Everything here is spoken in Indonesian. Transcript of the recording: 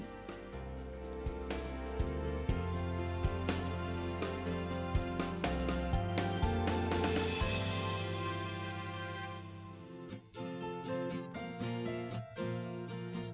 kampung inggris pare